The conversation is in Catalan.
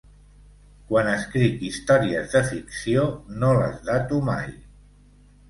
Quan escric històries de ficció no les dato mai.